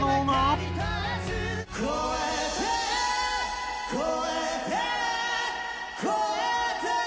「越えて越えて越えて」